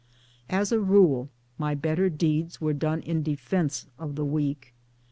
As a rule my better deeds were done in defence of the weak.